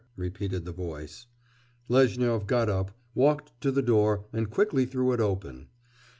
repeated the voice. Lezhnyov got up, walked to the door, and quickly threw it open.